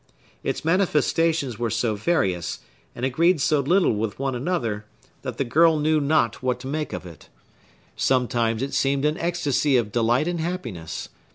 Its manifestations were so various, and agreed so little with one another, that the girl knew not what to make of it. Sometimes it seemed an ecstasy of delight and happiness.